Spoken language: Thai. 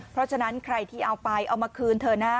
เพราะฉะนั้นใครที่เอาไปเอามาคืนเถอะนะ